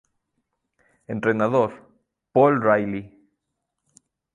Entrenador: Paul Riley